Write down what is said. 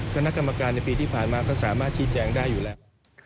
คณะกรรมการในปีที่ผ่านมาก็สามารถชี้แจงได้อยู่แล้ว